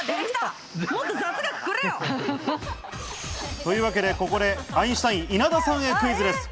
というわけで、ここでアインシュタイン・稲田さんへクイズです。